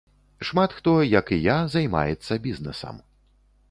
Шмат хто, як і я, займаецца бізнэсам.